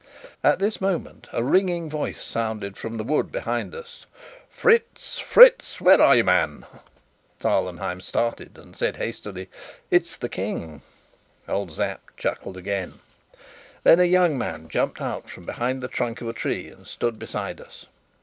At this moment a ringing voice sounded from the wood behind us: "Fritz, Fritz! where are you, man?" Tarlenheim started, and said hastily: "It's the King!" Old Sapt chuckled again. Then a young man jumped out from behind the trunk of a tree and stood beside us.